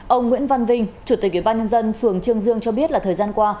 ông nguyễn văn vinh chủ tịch ubnd phường trương dương cho biết là thời gian qua